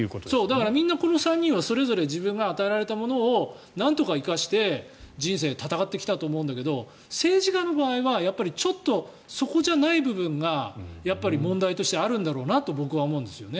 だから、この３人はそれぞれが与えられたもので人生を闘ってきたと思うんだけど政治家の場合はちょっとそこじゃない部分が問題としてあるんだろうなと僕は思うんですよね。